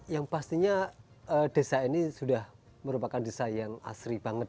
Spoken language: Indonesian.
yang pastinya desa ini sudah merupakan desa yang asri banget